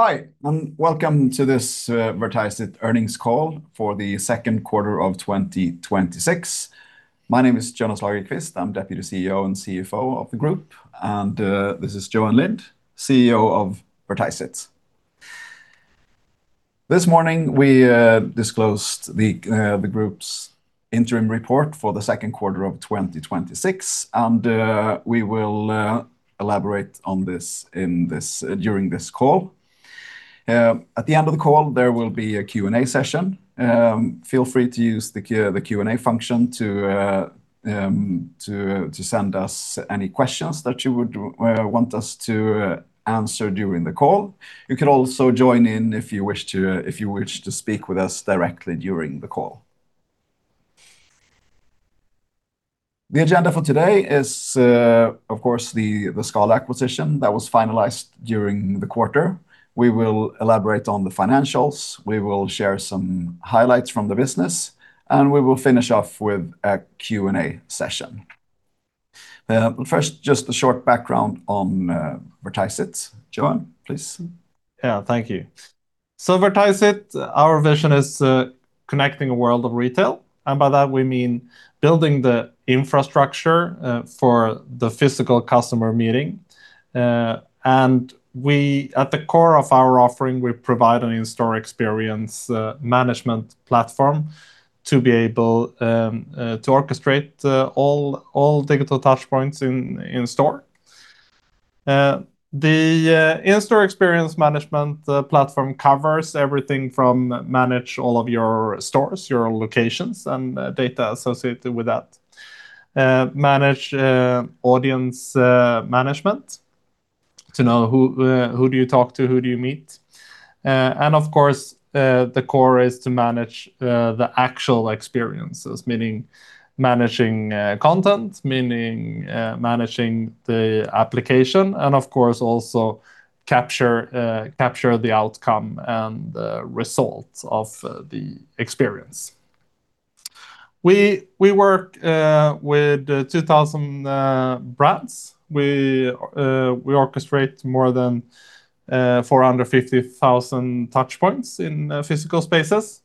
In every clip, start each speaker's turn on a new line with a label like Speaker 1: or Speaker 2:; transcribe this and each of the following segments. Speaker 1: Hi, welcome to this Vertiseit earnings call for the second quarter of 2026. My name is Jonas Lagerqvist. I'm Deputy CEO and CFO of the group, and this is Johan Lind, CEO of Vertiseit. This morning we disclosed the group's interim report for the second quarter of 2026. We will elaborate on this during this call. At the end of the call, there will be a Q&A session. Feel free to use the Q&A function to send us any questions that you would want us to answer during the call. You can also join in if you wish to speak with us directly during the call. The agenda for today is, of course, the Scala acquisition that was finalized during the quarter. We will elaborate on the financials, we will share some highlights from the business. We will finish off with a Q&A session. First, just a short background on Vertiseit. Johan, please.
Speaker 2: Thank you. Vertiseit, our vision is connecting a world of retail. By that we mean building the infrastructure for the physical customer meeting. At the core of our offering, we provide an In-store Experience Management platform to be able to orchestrate all digital touchpoints in store. The In-store Experience Management platform covers everything from manage all of your stores, your locations, and data associated with that. Manage audience management, to know who do you talk to, who do you meet. Of course, the core is to manage the actual experiences, meaning managing content, meaning managing the application. Of course, also capture the outcome and the result of the experience. We work with 2,000 brands. We orchestrate more than 450,000 touchpoints in physical spaces.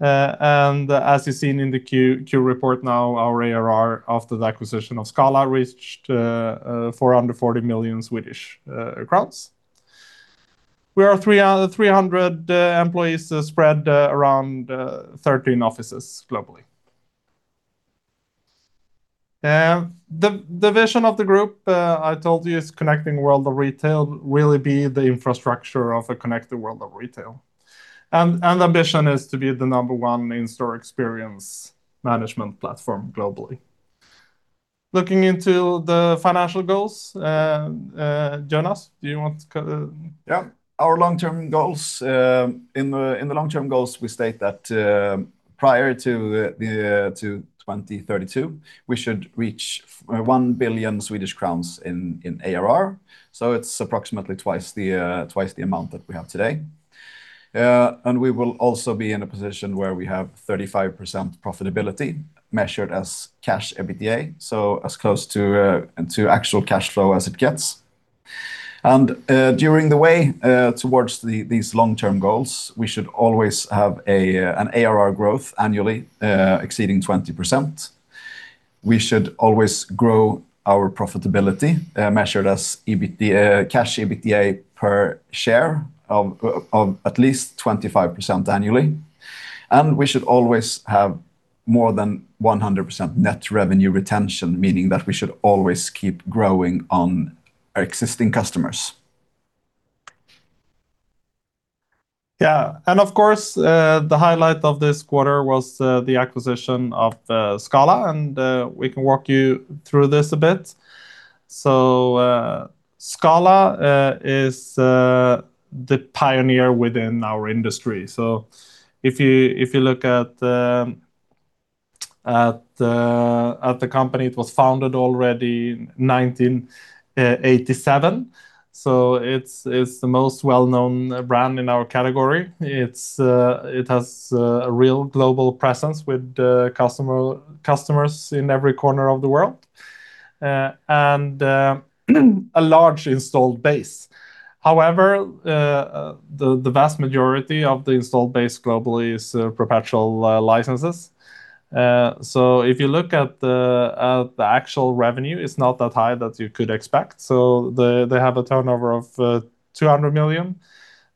Speaker 2: As you've seen in the Q report now, our ARR after the acquisition of Scala reached 440 million Swedish crowns. We are 300 employees spread around 13 offices globally. The vision of the group, I told you, is connecting world of retail, really be the infrastructure of a connected world of retail. Ambition is to be the number one In-store Experience Management platform globally. Looking into the financial goals. Jonas, do you want to cover?
Speaker 1: Our long-term goals. In the long-term goals, we state that prior to 2032, we should reach 1 billion Swedish crowns in ARR, so it's approximately twice the amount that we have today. We will also be in a position where we have 35% profitability measured as cash EBITDA, so as close to actual cash flow as it gets. During the way towards these long-term goals, we should always have an ARR growth annually, exceeding 20%. We should always grow our profitability, measured as cash EBITDA per share of at least 25% annually, and we should always have more than 100% net revenue retention, meaning that we should always keep growing on our existing customers.
Speaker 2: Of course, the highlight of this quarter was the acquisition of Scala, and we can walk you through this a bit. Scala is the pioneer within our industry. If you look at the company, it was founded already in 1987. So it's the most well-known brand in our category. It has a real global presence with customers in every corner of the world, and a large installed base. However, the vast majority of the installed base globally is perpetual licenses. If you look at the actual revenue, it's not that high that you could expect. They have a turnover of 200 million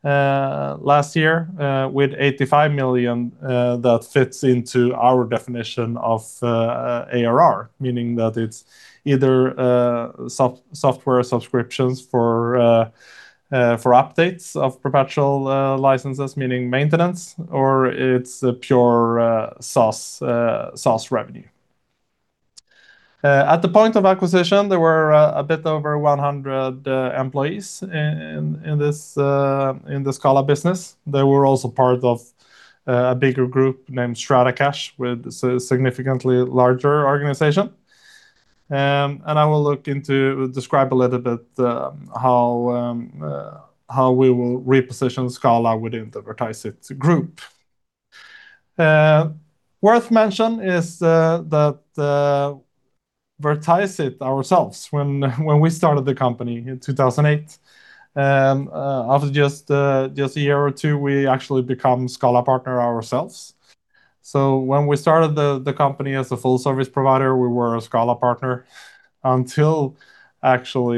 Speaker 2: last year with 85 million that fits into our definition of ARR, meaning that it's either software subscriptions for updates of perpetual licenses, meaning maintenance, or it's pure SaaS revenue. At the point of acquisition, there were a bit over 100 employees in the Scala business. They were also part of a bigger group named Stratacache with a significantly larger organization. I will look into describe a little bit how we will reposition Scala within the Vertiseit Group. Worth mention is that Vertiseit ourselves, when we started the company in 2008, after just a year or two, we actually become Scala partner ourselves. When we started the company as a full service provider, we were a Scala partner until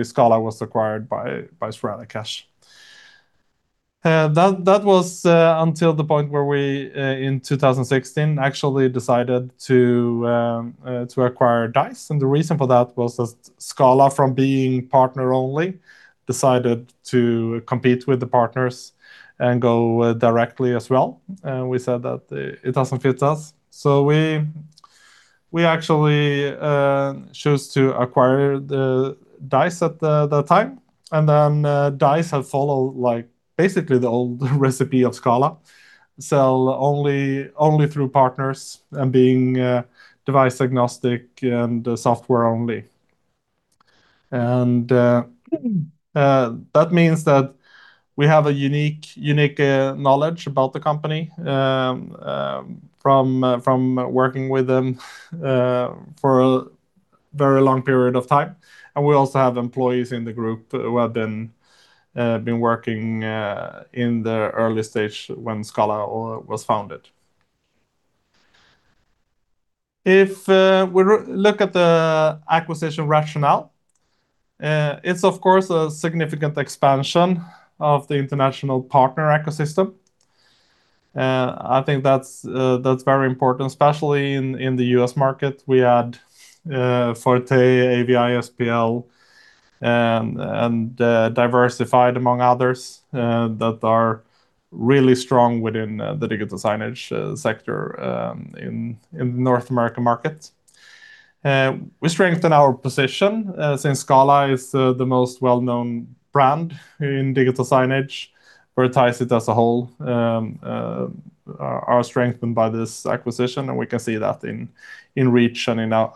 Speaker 2: Scala was acquired by Stratacache. That was until the point where we, in 2016, actually decided to acquire Dise. The reason for that was that Scala, from being partner only, decided to compete with the partners and go directly as well. And we said that it doesn't fit us. So we actually chose to acquire Dise at that time. Then Dise had followed basically the old recipe of Scala, sell only through partners and being device agnostic and software only. That means that we have a unique knowledge about the company from working with them for a very long period of time. And we also have employees in the Group who have been working in the early stage when Scala was founded. If we look at the acquisition rationale, it's of course a significant expansion of the international partner ecosystem. I think that's very important, especially in the U.S. market. We add FORTÉ, AVI-SPL, and Diversified, among others, that are really strong within the digital signage sector in North American markets. We strengthen our position, since Scala is the most well-known brand in digital signage. Vertiseit as a whole are strengthened by this acquisition, and we can see that in reach and in our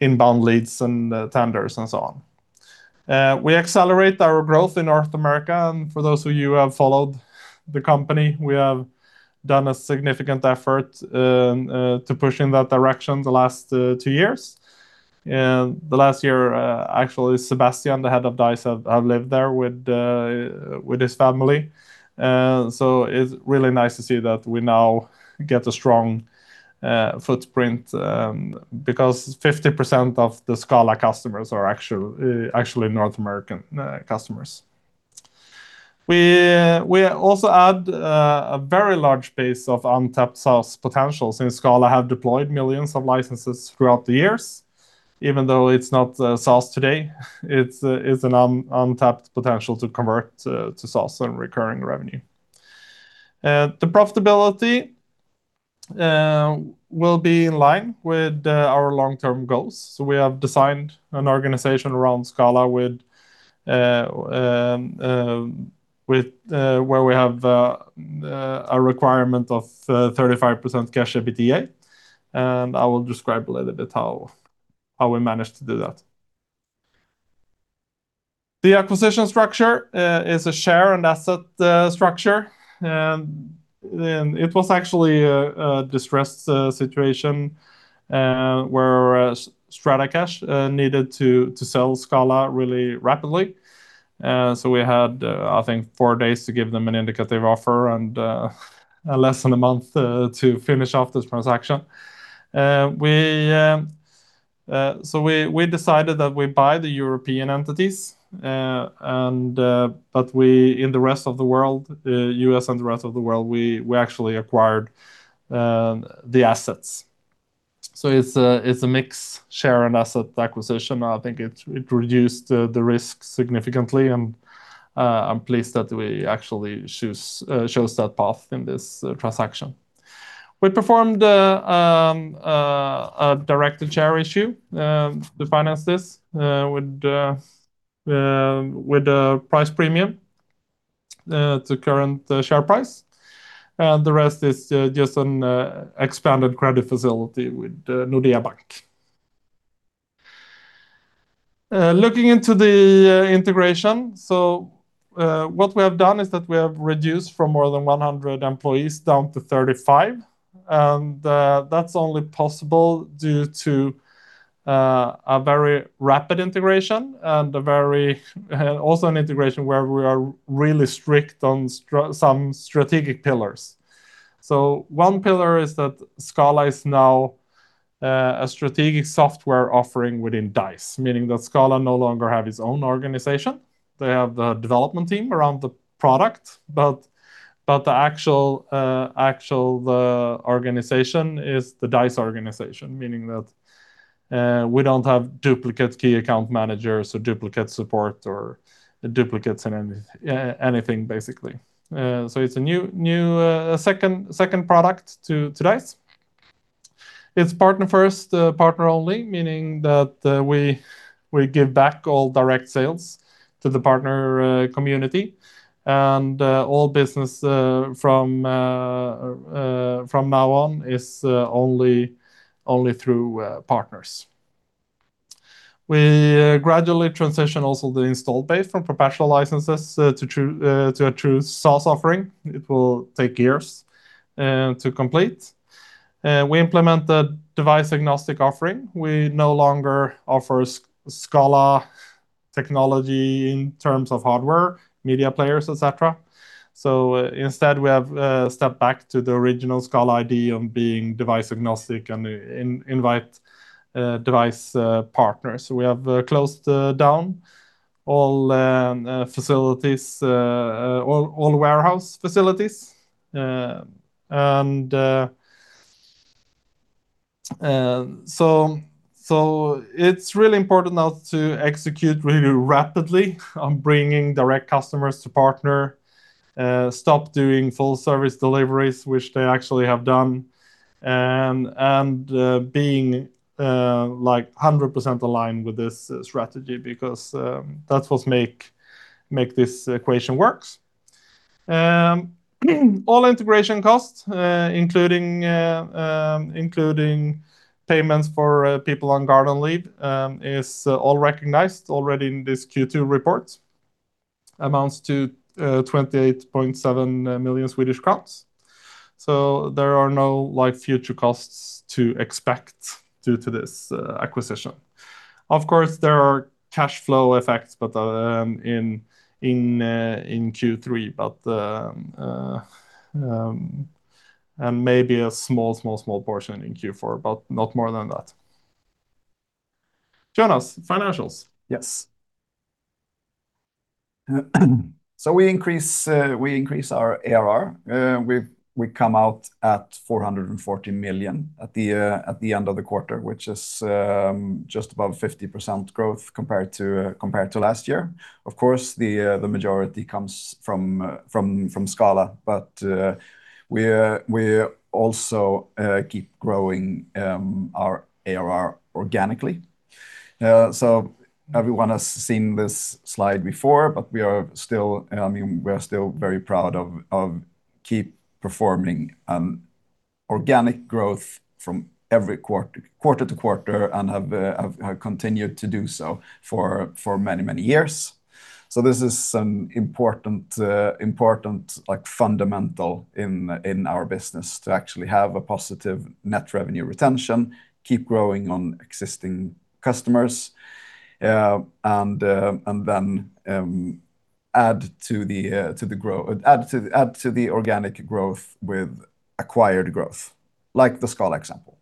Speaker 2: inbound leads and tenders and so on. We accelerate our growth in North America, and for those of you who have followed the company, we have done a significant effort to push in that direction the last two years. The last year, actually, Sebastian, the head of Dise, have lived there with his family. It's really nice to see that we now get a strong footprint, because 50% of the Scala customers are actually North American customers. We also add a very large base of untapped SaaS potential, since Scala have deployed millions of licenses throughout the years. Even though it's not SaaS today, it's an untapped potential to convert to SaaS and recurring revenue. The profitability will be in line with our long-term goals. We have designed an organization around Scala where we have a requirement of 35% cash EBITDA, and I will describe a little bit how we managed to do that. The acquisition structure is a share and asset structure. It was actually a distressed situation where Stratacache needed to sell Scala really rapidly. We had, I think, four days to give them an indicative offer and less than a month to finish off this transaction. We decided that we buy the European entities, but in the rest of the world, the U.S. and the rest of the world, we actually acquired the assets. It's a mix share and asset acquisition. I think it reduced the risk significantly, and I'm pleased that we actually chose that path in this transaction. We performed a direct share issue to finance this with a price premium to current share price. The rest is just an expanded credit facility with Nordea Bank. Looking into the integration, so what we have done is that we have reduced from more than 100 employees down to 35, and that's only possible due to a very rapid integration and also an integration where we are really strict on some strategic pillars. One pillar is that Scala is now a strategic software offering within Dise, meaning that Scala no longer have its own organization. They have the development team around the product, but the actual organization is the Dise organization, meaning that we don't have duplicate key account managers or duplicate support or duplicates in anything, basically. It's a second product to Dise. It's partner first, partner only, meaning that we give back all direct sales to the partner community, and all business from now on is only through partners. We gradually transition also the install base from perpetual licenses to a true SaaS offering. It will take years to complete. We implement the device-agnostic offering. We no longer offer Scala technology in terms of hardware, media players, et cetera. Instead, we have stepped back to the original Scala idea of being device-agnostic and invite device partners. We have closed down all warehouse facilities. It's really important now to execute really rapidly on bringing direct customers to partner, stop doing full service deliveries, which they actually have done, and being 100% aligned with this strategy because that's what makes this equation work. All integration costs including payments for people on Garden Leave, is all recognized already in this Q2 report, amounts to 28.7 million Swedish crowns. There are no future costs to expect due to this acquisition. Of course, there are cash flow effects in Q3, maybe a small portion in Q4, not more than that. Jonas, financials.
Speaker 1: Yes. We increase our ARR. We come out at 440 million at the end of the quarter, which is just above 50% growth compared to last year. Of course, the majority comes from Scala, we also keep growing our ARR organically. Everyone has seen this slide before, we are still very proud of keep performing organic growth from every quarter-to-quarter, and have continued to do so for many years. This is an important fundamental in our business to actually have a positive net revenue retention, keep growing on existing customers, and then add to the organic growth with acquired growth, like the Scala example.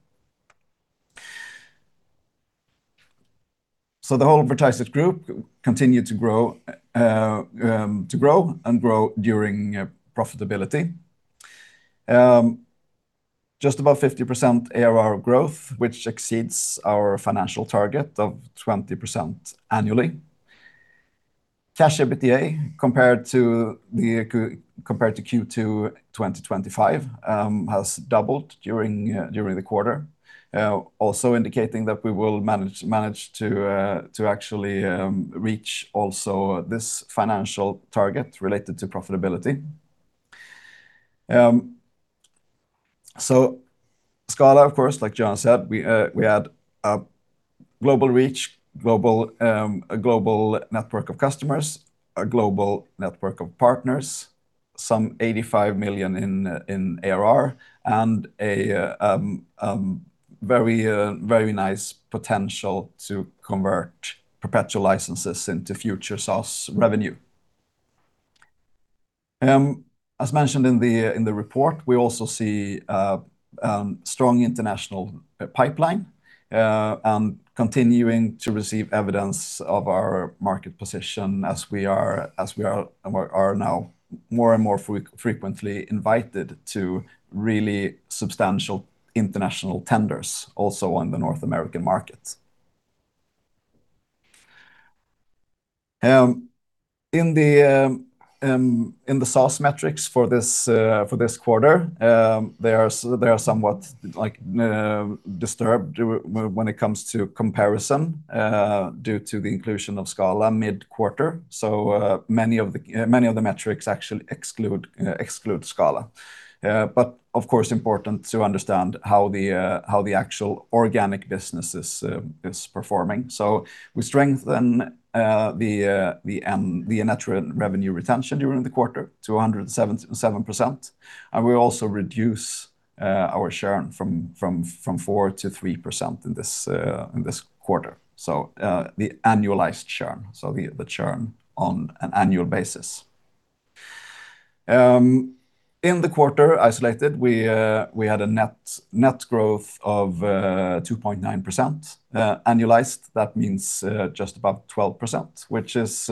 Speaker 1: The whole Vertiseit group continued to grow and grow during profitability. Just above 50% ARR growth, which exceeds our financial target of 20% annually. Cash EBITDA compared to Q2 2025, has doubled during the quarter. Also indicating that we will manage to actually reach also this financial target related to profitability. Scala, of course, like Jonas said, we had a global reach, a global network of customers, a global network of partners, some 85 million in ARR, and a very nice potential to convert perpetual licenses into future SaaS revenue. As mentioned in the report, we also see a strong international pipeline, and continuing to receive evidence of our market position as we are now more and more frequently invited to really substantial international tenders, also on the North American market. In the SaaS metrics for this quarter, they are somewhat disturbed when it comes to comparison due to the inclusion of Scala mid-quarter. Many of the metrics actually exclude Scala. Of course, important to understand how the actual organic business is performing. We strengthen the net revenue retention during the quarter to 107%. We also reduce our churn from 4% to 3% in this quarter. The annualized churn, the churn on an annual basis. In the quarter isolated, we had a net growth of 2.9%. Annualized, that means just above 12%, which is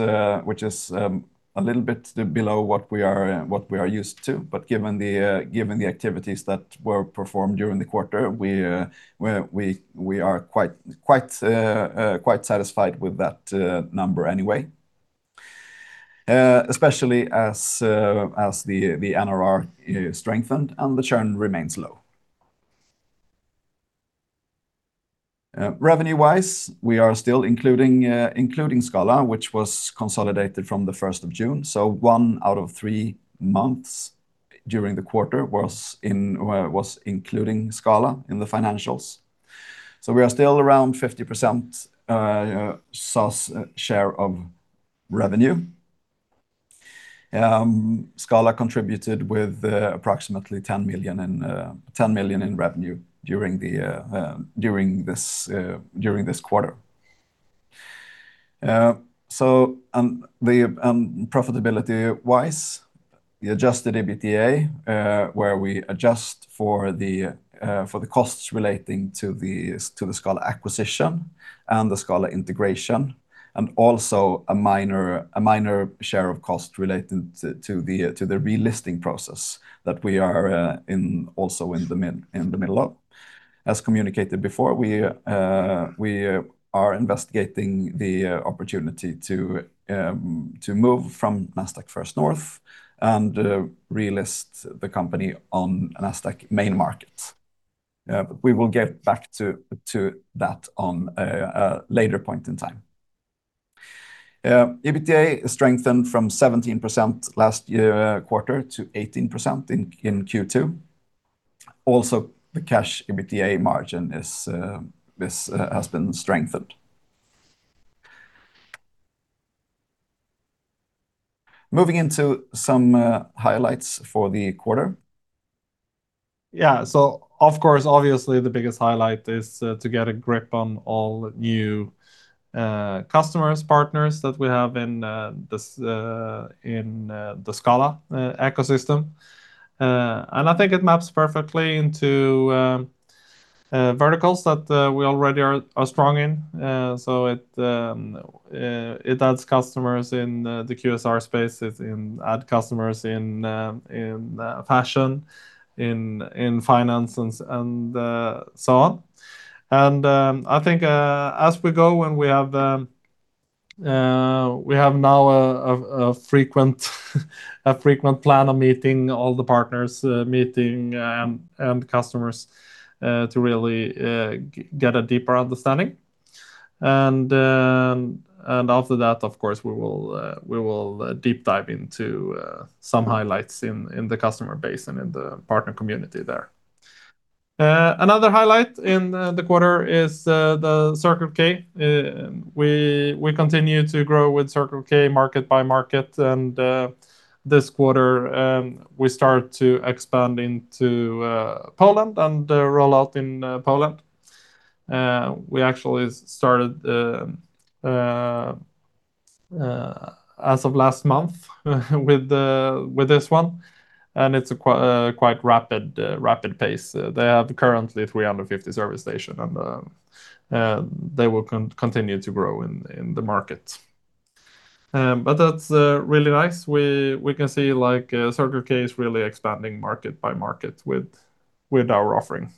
Speaker 1: a little bit below what we are used to. Given the activities that were performed during the quarter, we are quite satisfied with that number anyway, especially as the NRR strengthened and the churn remains low. Revenue-wise, we are still including Scala, which was consolidated from the 1st of June, one out of three months during the quarter was including Scala in the financials. We are still around 50% SaaS share of revenue. Scala contributed with approximately 10 million in revenue during this quarter. Profitability-wise, the adjusted EBITDA where we adjust for the costs relating to the Scala acquisition and the Scala integration, and also a minor share of cost related to the relisting process that we are also in the middle of. As communicated before, we are investigating the opportunity to move from Nasdaq First North and relist the company on Nasdaq Main Market. We will get back to that on a later point in time. EBITDA strengthened from 17% last quarter to 18% in Q2. Also, the cash EBITDA margin has been strengthened. Moving into some highlights for the quarter.
Speaker 2: Of course, obviously the biggest highlight is to get a grip on all new customers, partners that we have in the Scala ecosystem. I think it maps perfectly into verticals that we already are strong in. It add customers in the QSR space, it add customers in fashion, in finance, and so on. I think as we go and we have now a frequent plan of meeting all the partners, meeting customers to really get a deeper understanding. After that, of course, we will deep dive into some highlights in the customer base and in the partner community there. Another highlight in the quarter is the Circle K. We continue to grow with Circle K market by market, and this quarter we start to expand into Poland and roll out in Poland. We actually started as of last month with this one, and it's a quite rapid pace. They have currently 350 service station. They will continue to grow in the market. That's really nice. We can see Circle K is really expanding market by market with our offering.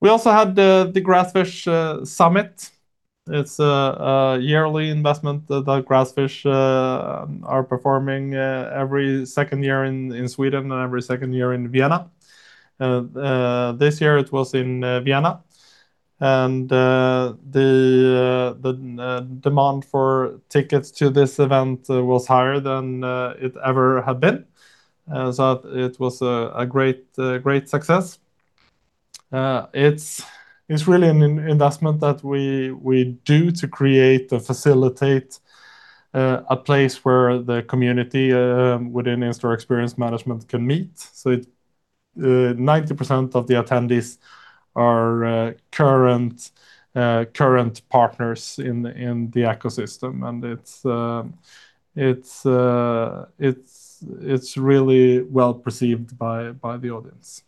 Speaker 2: We also had the Grassfish Summit. It's a yearly investment that Grassfish are performing every second year in Sweden and every second year in Vienna. This year it was in Vienna. The demand for tickets to this event was higher than it ever had been. It was a great success. It's really an investment that we do to create and facilitate a place where the community within In-store Experience Management can meet. 90% of the attendees are current partners in the ecosystem. It's really well-perceived by the audience.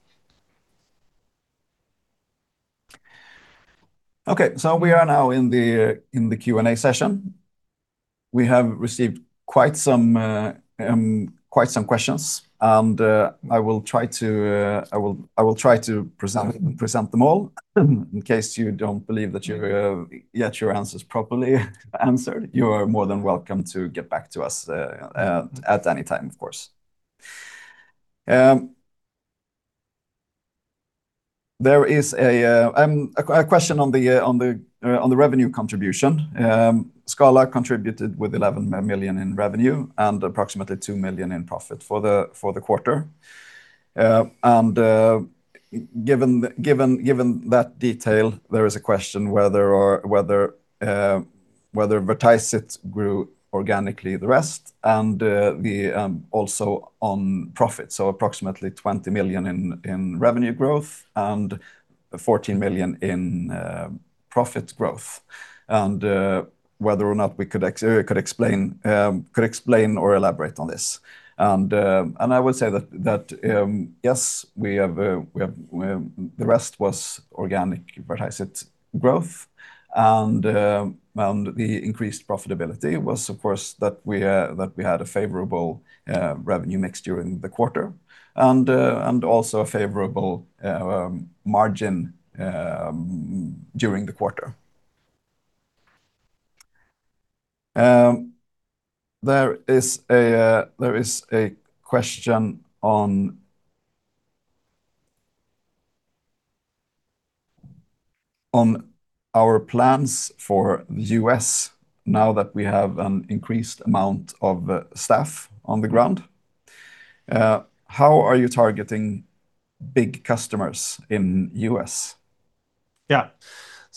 Speaker 1: We are now in the Q&A session. We have received quite some questions, and I will try to present them all. In case you don't believe that you get your answers properly answered, you are more than welcome to get back to us at any time, of course. There is a question on the revenue contribution. Scala contributed with 11 million in revenue and approximately 2 million in profit for the quarter. Given that detail, there is a question whether Vertiseit grew organically the rest and also on profit. Approximately 20 million in revenue growth and 14 million in profit growth. Whether or not we could explain or elaborate on this. I would say that, yes, the rest was organic Vertiseit growth. The increased profitability was, of course, that we had a favorable revenue mix during the quarter and also a favorable margin during the quarter. There is a question on our plans for the U.S. now that we have an increased amount of staff on the ground, how are you targeting big customers in the U.S.?
Speaker 2: Yeah.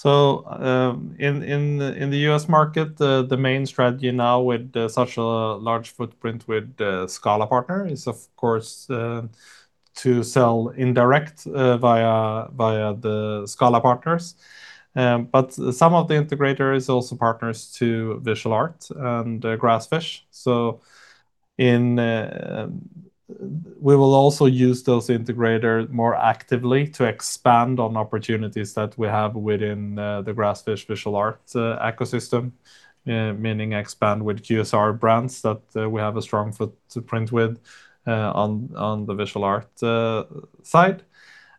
Speaker 2: In the U.S. market, the main strategy now with such a large footprint with the Scala partner is, of course, to sell indirect via the Scala partners. Some of the integrators also partners to Visual Art and Grassfish. We will also use those integrators more actively to expand on opportunities that we have within the Grassfish Visual Art ecosystem, meaning expand with QSR brands that we have a strong footprint with on the Visual Art side,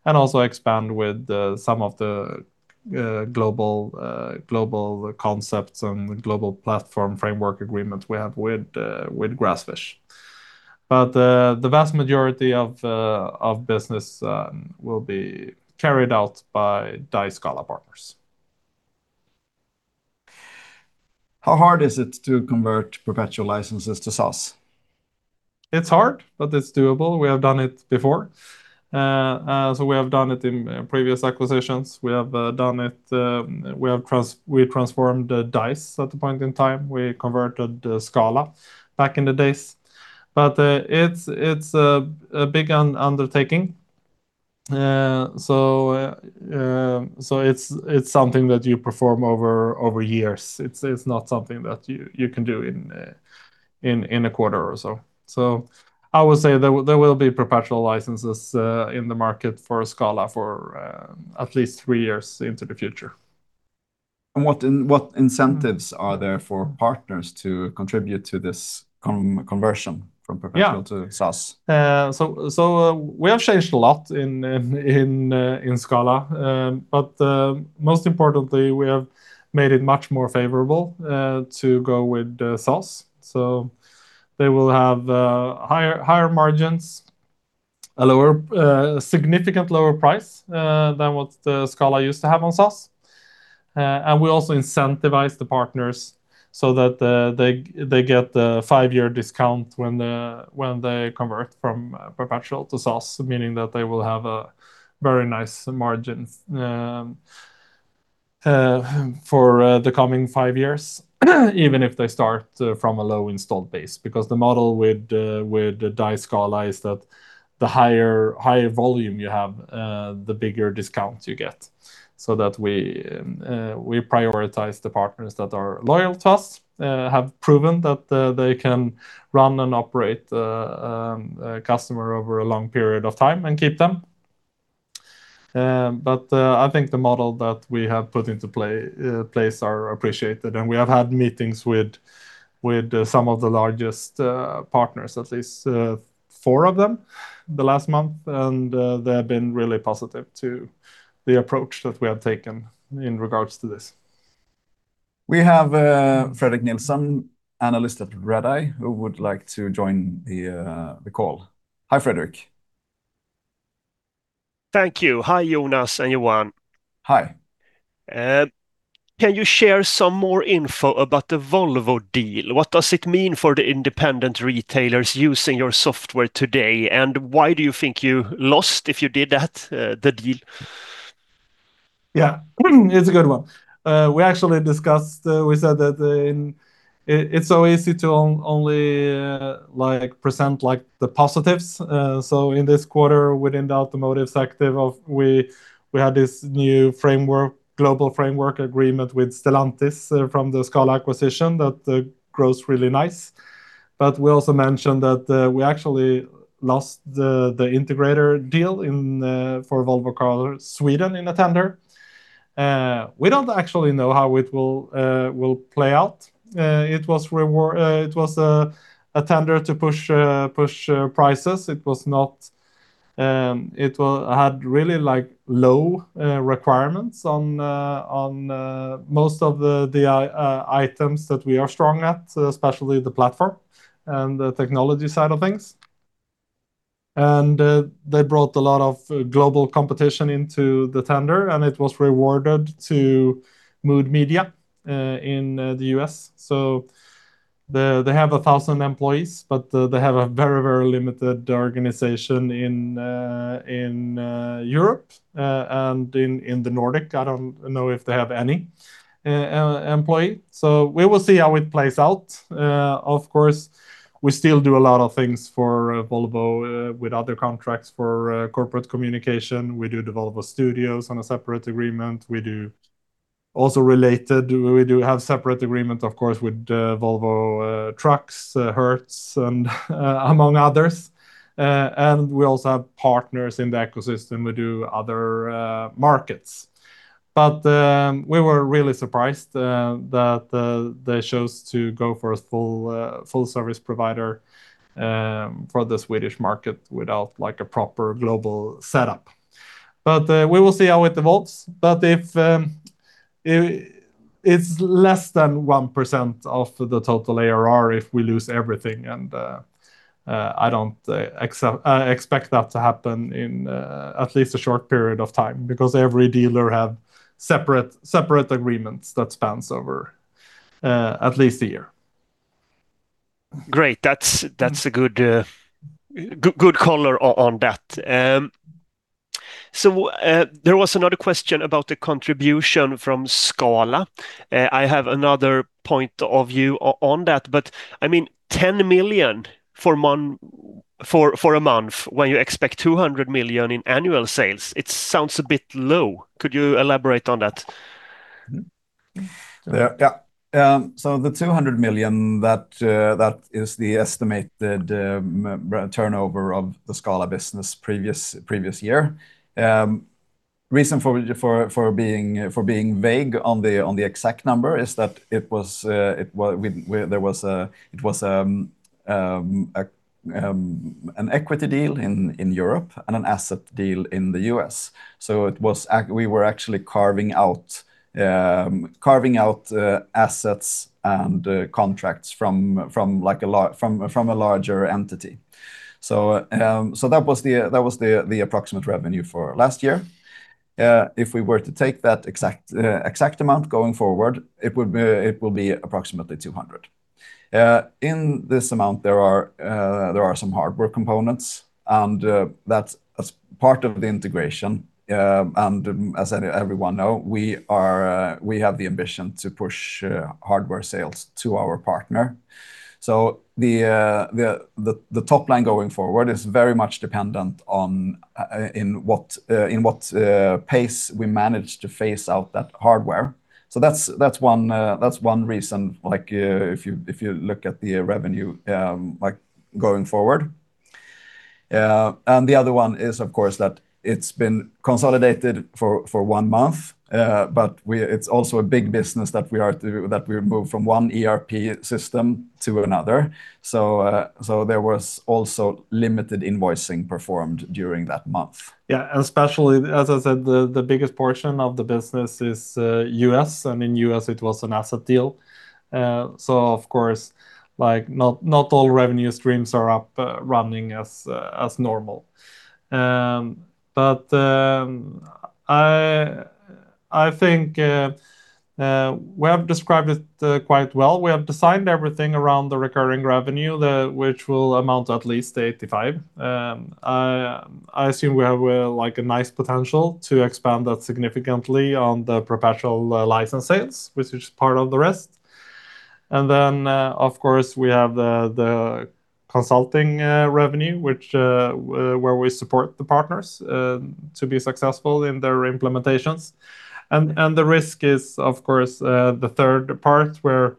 Speaker 2: and also expand with some of the global concepts and global platform framework agreements we have with Grassfish. The vast majority of business will be carried out by Dise Scala partners.
Speaker 1: How hard is it to convert perpetual licenses to SaaS?
Speaker 2: It's hard, but it's doable. We have done it before. We have done it in previous acquisitions. We transformed Dise at the point in time. We converted Scala back in the days. It's a big undertaking. It's something that you perform over years. It's not something that you can do in a quarter or so. I would say there will be perpetual licenses in the market for Scala for at least three years into the future.
Speaker 1: What incentives are there for partners to contribute to this conversion from perpetual-
Speaker 2: Yeah.
Speaker 1: To SaaS?
Speaker 2: We have changed a lot in Scala. Most importantly, we have made it much more favorable to go with SaaS. They will have higher margins, a significant lower price than what Scala used to have on SaaS. We also incentivize the partners so that they get the five-year discount when they convert from perpetual to SaaS, meaning that they will have a very nice margin for the coming five years, even if they start from a low installed base, because the model with Dise Scala is that the higher volume you have, the bigger discount you get. We prioritize the partners that are loyal to us, have proven that they can run and operate a customer over a long period of time and keep them. I think the model that we have put into place are appreciated, and we have had meetings with some of the largest partners, at least four of them the last month, and they have been really positive to the approach that we have taken in regards to this.
Speaker 1: We have Fredrik Nilsson, analyst at Redeye, who would like to join the call. Hi, Fredrik.
Speaker 3: Thank you. Hi, Jonas and Johan.
Speaker 1: Hi.
Speaker 3: Can you share some more info about the Volvo deal? What does it mean for the independent retailers using your software today, and why do you think you lost if you did that, the deal?
Speaker 2: Yeah. It's a good one. We actually discussed, we said that it's so easy to only present the positives. In this quarter, within the automotive sector, we had this new global framework agreement with Stellantis from the Scala acquisition that grows really nice. We also mentioned that we actually lost the integrator deal for Volvo Cars Sweden in a tender. We don't actually know how it will play out. It was a tender to push prices. It had really low requirements on most of the items that we are strong at, especially the platform and the technology side of things. They brought a lot of global competition into the tender, and it was rewarded to Mood Media in the U.S. They have 1,000 employees, but they have a very limited organization in Europe and in the Nordic. I don't know if they have any employee. We will see how it plays out. Of course, we still do a lot of things for Volvo with other contracts for corporate communication. We do the Volvo Studios on a separate agreement. Also related, we do have separate agreement, of course, with Volvo Trucks, Hertz, and among others. We also have partners in the ecosystem who do other markets. We were really surprised that they chose to go for a full service provider for the Swedish market without a proper global setup. We will see how it evolves. If it's less than 1% of the total ARR if we lose everything, and I don't expect that to happen in at least a short period of time, because every dealer have separate agreements that spans over at least a year.
Speaker 3: Great. That's a good color on that. There was another question about the contribution from Scala. I have another point of view on that, 10 million for a month, when you expect 200 million in annual sales, it sounds a bit low. Could you elaborate on that?
Speaker 1: Yeah. The 200 million, that is the estimated turnover of the Scala business previous year. Reason for being vague on the exact number is that it was an equity deal in Europe and an asset deal in the U.S. We were actually carving out assets and contracts from a larger entity. That was the approximate revenue for last year. If we were to take that exact amount going forward, it will be approximately 200 million. In this amount, there are some hardware components, and that's part of the integration. As everyone know, we have the ambition to push hardware sales to our partner. The top line going forward is very much dependent on in what pace we manage to phase out that hardware. That's one reason if you look at the revenue going forward. The other one is, of course, that it's been consolidated for one month, but it's also a big business that we moved from one ERP system to another. There was also limited invoicing performed during that month.
Speaker 2: Especially, as I said, the biggest portion of the business is U.S., and in U.S., it was an asset deal. Of course, not all revenue streams are up running as normal. I think we have described it quite well. We have designed everything around the recurring revenue, which will amount at least 85%. I assume we have a nice potential to expand that significantly on the perpetual license sales, which is part of the rest. Then, of course, we have the consulting revenue, where we support the partners to be successful in their implementations. The risk is, of course, the third part, where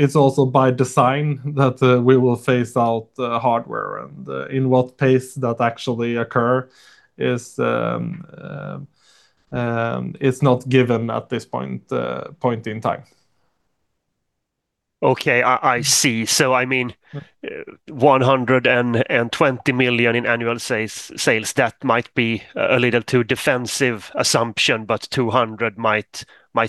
Speaker 2: it's also by design that we will phase out the hardware, and in what pace that actually occurs is not given at this point in time.
Speaker 3: Okay. I see. 120 million in annual sales, that might be a little too defensive assumption, 200 might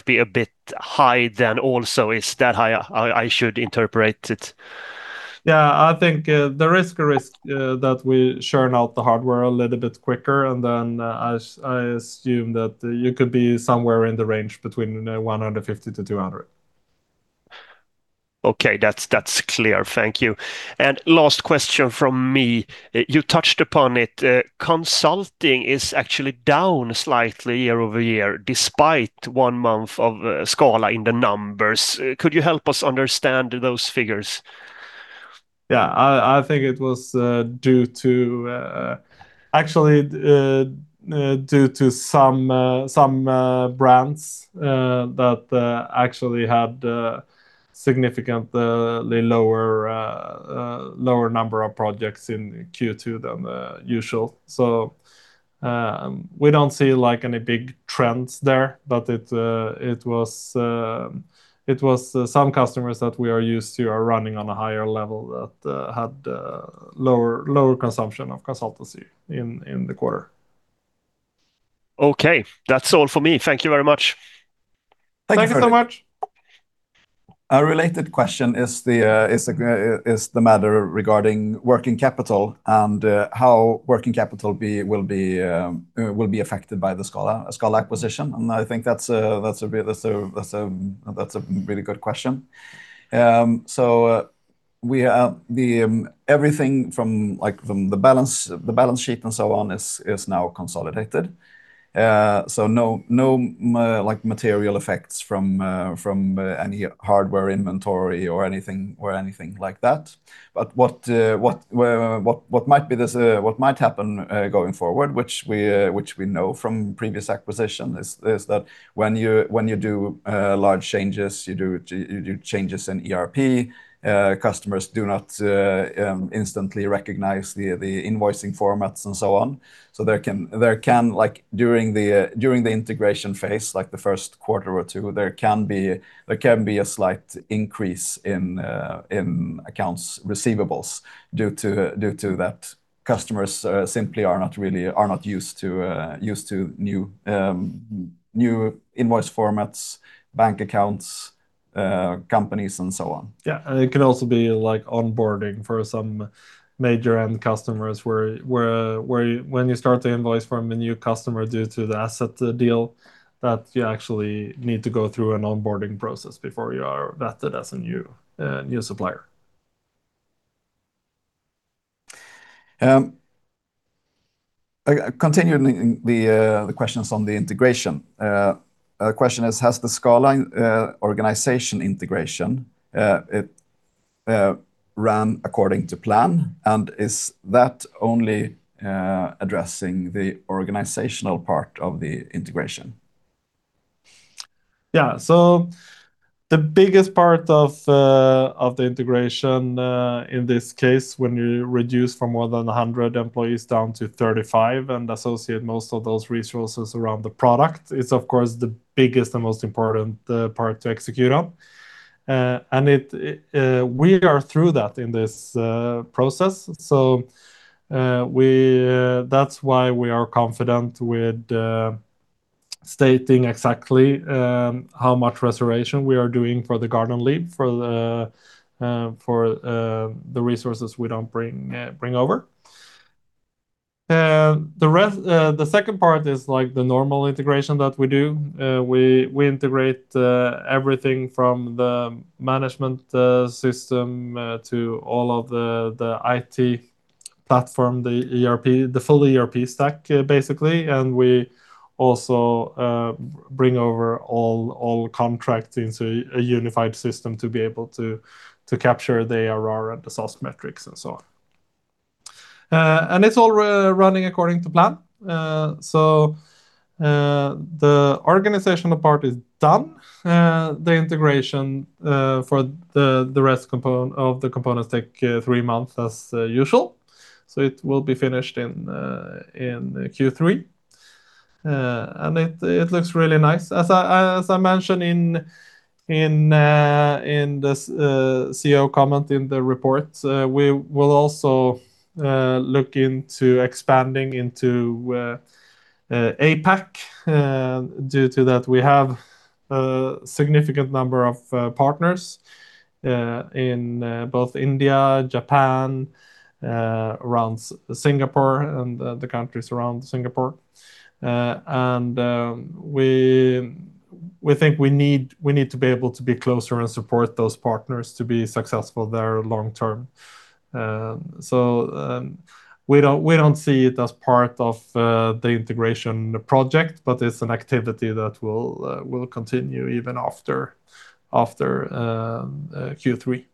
Speaker 3: be a bit high then also. Is that how I should interpret it?
Speaker 2: I think the risk that we churn out the hardware a little bit quicker, then I assume that you could be somewhere in the range between 150 million-200 million.
Speaker 3: Okay. That's clear. Thank you. Last question from me. You touched upon it. Consulting is actually down slightly year-over-year, despite one month of Scala in the numbers. Could you help us understand those figures?
Speaker 2: I think it was actually due to some brands that actually had a significantly lower number of projects in Q2 than usual. We don't see any big trends there, but it was some customers that we are used to are running on a higher level that had lower consumption of consultancy in the quarter.
Speaker 3: Okay. That's all for me. Thank you very much.
Speaker 1: Thank you very much.
Speaker 2: Thank you so much.
Speaker 1: A related question is the matter regarding working capital and how working capital will be affected by the Scala acquisition. I think that's a really good question. Everything from the balance sheet and so on is now consolidated. No material effects from any hardware inventory or anything like that. What might happen going forward, which we know from previous acquisition, is that when you do large changes, you do changes in ERP, customers do not instantly recognize the invoicing formats and so on. During the integration phase, like the first quarter or two, there can be a slight increase in accounts receivables. Due to that customers simply are not used to new invoice formats, bank accounts, companies, and so on.
Speaker 2: Yeah. It can also be onboarding for some major end customers when you start to invoice from a new customer due to the asset deal that you actually need to go through an onboarding process before you are vetted as a new supplier.
Speaker 1: Continuing the questions on the integration. A question is, has the Scala organization integration run according to plan? Is that only addressing the organizational part of the integration?
Speaker 2: Yeah. The biggest part of the integration, in this case, when you reduce from more than 100 employees down to 35 and associate most of those resources around the product, it's of course the biggest and most important part to execute on. We are through that in this process. That's why we are confident with stating exactly how much restoration we are doing for the garden leave for the resources we don't bring over. The second part is the normal integration that we do. We integrate everything from the management system to all of the IT platform, the full ERP stack, basically. We also bring over all contracts into a unified system to be able to capture the ARR and the SaaS metrics and so on. It's all running according to plan. The organizational part is done. The integration for the rest of the components take three months as usual, so it will be finished in Q3. It looks really nice. As I mentioned in the CEO comment in the report, we will also look into expanding into APAC due to that we have a significant number of partners in both India, Japan, around Singapore, and the countries around Singapore. We think we need to be able to be closer and support those partners to be successful there long term. We don't see it as part of the integration project, but it's an activity that will continue even after Q3.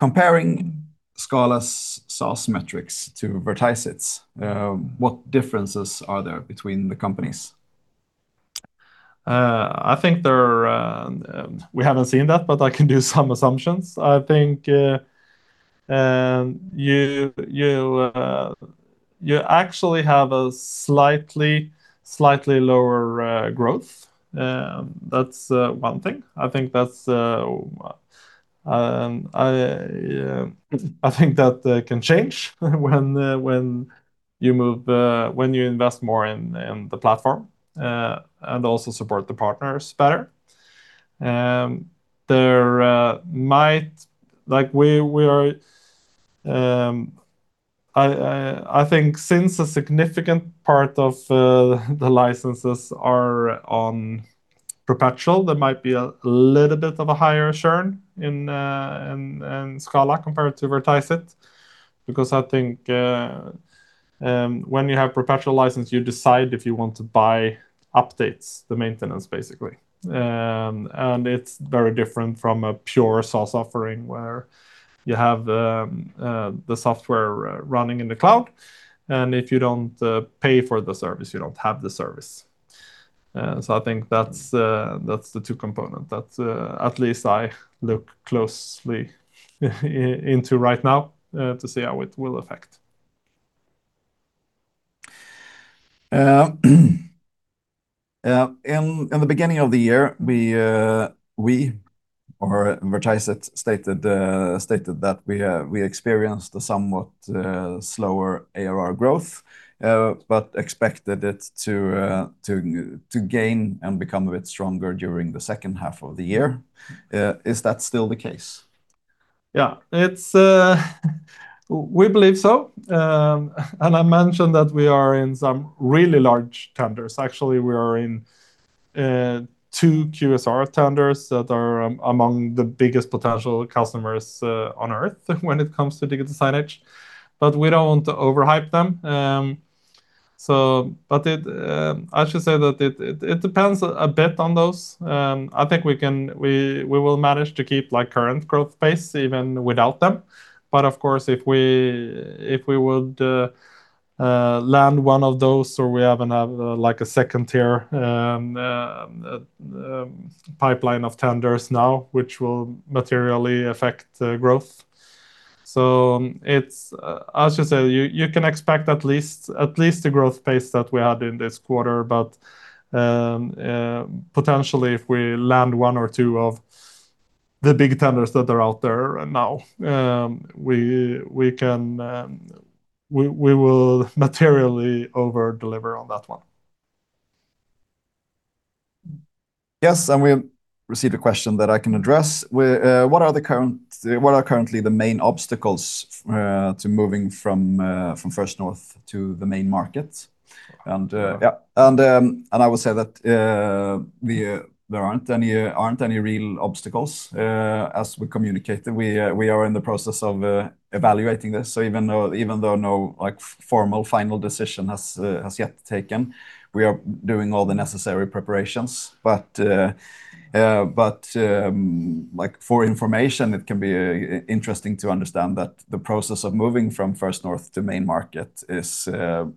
Speaker 1: Comparing Scala's SaaS metrics to Vertiseit's. What differences are there between the companies?
Speaker 2: We haven't seen that, but I can do some assumptions. I think you actually have a slightly lower growth. That's one thing. I think that can change when you invest more in the platform, and also support the partners better. I think since a significant part of the licenses are on perpetual, there might be a little bit of a higher churn in Scala compared to Vertiseit because I think when you have perpetual license, you decide if you want to buy updates, the maintenance basically. It's very different from a pure SaaS offering where you have the software running in the cloud, and if you don't pay for the service, you don't have the service. I think that's the two component that at least I look closely into right now, to see how it will affect.
Speaker 1: In the beginning of the year, we, or Vertiseit, stated that we experienced a somewhat slower ARR growth, but expected it to gain and become a bit stronger during the second half of the year. Is that still the case?
Speaker 2: Yeah. We believe so. I mentioned that we are in some really large tenders. Actually, we are in two QSR tenders that are among the biggest potential customers on Earth when it comes to digital signage, we don't want to over-hype them. I should say that it depends a bit on those. I think we will manage to keep current growth pace even without them. Of course, if we would land one of those or we have another second tier pipeline of tenders now, which will materially affect the growth. I should say you can expect at least the growth pace that we had in this quarter. Potentially, if we land one or two of the big tenders that are out there now, we will materially over-deliver on that one.
Speaker 1: Yes, we received a question that I can address. What are currently the main obstacles to moving from Nasdaq First North Growth Market to the Nasdaq Stockholm Main Market? I would say that there aren't any real obstacles. As we communicated, we are in the process of evaluating this. Even though no formal final decision has yet been taken, we are doing all the necessary preparations. For information, it can be interesting to understand that the process of moving from Nasdaq First North Growth Market to Nasdaq Stockholm Main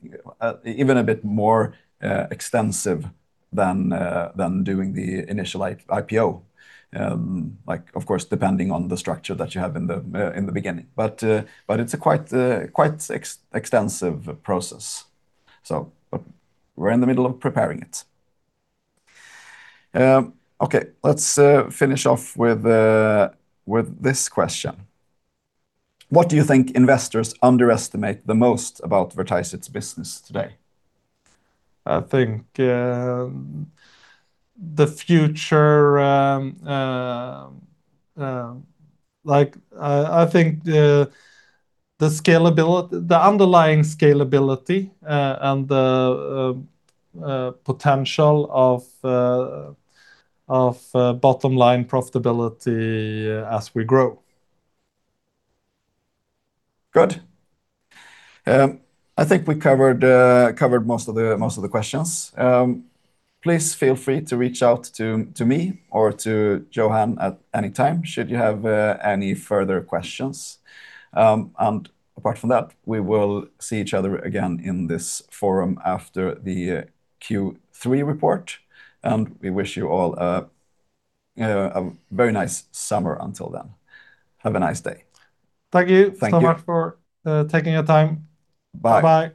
Speaker 1: Market is even a bit more extensive than doing the initial IPO. Of course, depending on the structure that you have in the beginning. It's a quite extensive process. We're in the middle of preparing it. Okay, let's finish off with this question. What do you think investors underestimate the most about Vertiseit's business today?
Speaker 2: I think the underlying scalability and the potential of bottom-line profitability as we grow.
Speaker 1: Good. I think we covered most of the questions. Please feel free to reach out to me or to Johan at any time should you have any further questions. Apart from that, we will see each other again in this forum after the Q3 report. We wish you all a very nice summer until then. Have a nice day.
Speaker 2: Thank you.
Speaker 1: Thank you.
Speaker 2: So much for taking your time.
Speaker 1: Bye.
Speaker 2: Bye-bye